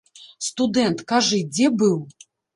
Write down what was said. Студэнт, кажы, дзе быў?